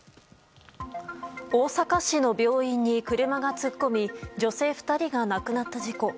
大阪市の病院に車が突っ込み女性２人が亡くなった事故。